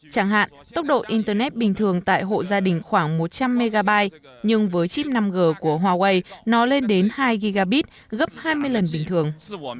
chẳng hạn tốc độ internet bình thường tại hộ gia đình khoảng một trăm linh mb nhưng với chip năm g của huawei nó lên đến hai gigabit gấp hai mươi lần bình thường